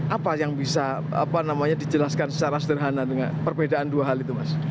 apa yang bisa dijelaskan secara sederhana dengan perbedaan dua hal itu mas